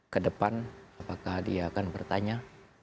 ke depan apakah dia akan bertanya